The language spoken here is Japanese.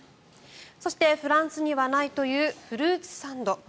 そして、フランスにはないというフルーツサンド。